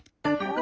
お！